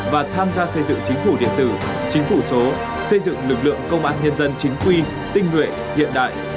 và tham gia xây dựng chính phủ điện tử chính phủ số xây dựng lực lượng công an nhân dân chính quy tinh nguyện hiện đại